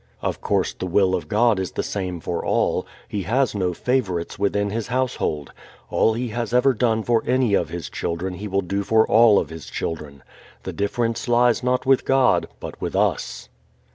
Of course the will of God is the same for all. He has no favorites within His household. All He has ever done for any of His children He will do for all of His children. The difference lies not with God but with us.